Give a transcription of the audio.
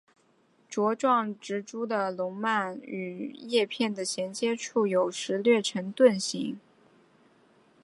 茁壮植株的笼蔓与叶片的衔接处有时略呈盾形。